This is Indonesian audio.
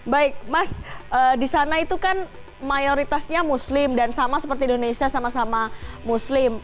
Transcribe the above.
baik mas di sana itu kan mayoritasnya muslim dan sama seperti indonesia sama sama muslim